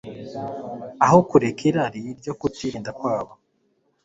aho kureka irari ryo kutirinda kwabo.